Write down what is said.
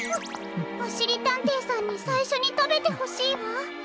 おしりたんていさんにさいしょにたべてほしいわ。